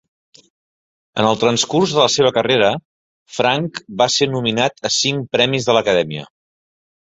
En el transcurs de la seva carrera, Frank va ser nominat a cinc premis de l'Acadèmia.